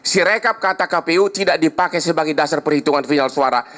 sirekap kata kpu tidak dipakai sebagai dasar perhitungan final suara